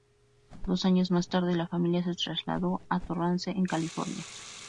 Dos años más tarde la familia se trasladó a Torrance en California.